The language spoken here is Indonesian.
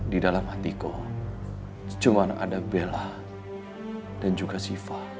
di dalam hatiku cuma ada bella dan juga siva